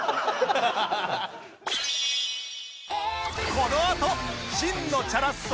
このあと真のチャラッソ